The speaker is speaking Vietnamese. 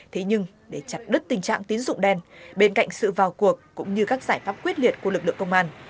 thế nhưng để chặt đứt tình trạng tín dụng đen bên cạnh sự vào cuộc cũng như các giải pháp quyết liệt của lực lượng công an